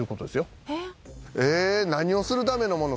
えーっ何をするためのもの。